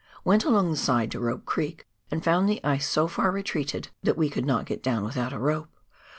"Went along the side to Rope Creek, and found the ice so far retreated that we could get down without a rope.